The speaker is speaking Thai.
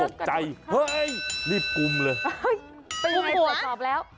กุ้มหัวตอบแล้ว